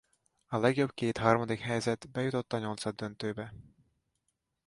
A legjobb két harmadik helyezett bejutott a nyolcaddöntőbe.